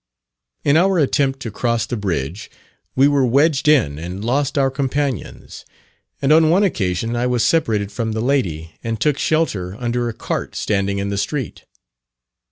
In our attempt to cross the bridge, we were wedged in and lost our companions; and on one occasion I was separated from the lady, and took shelter under a cart standing in the street.